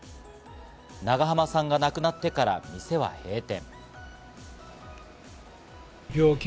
長濱さんが亡くなってから店は閉店。